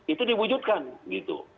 itu diwujudkan gitu